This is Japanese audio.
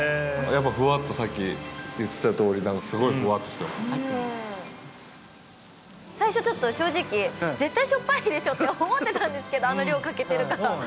やっぱりふわっとさっき言ってたとおり最初ちょっと正直絶対しょっぱいでしょって思ってたんですけどあの量かけてるから。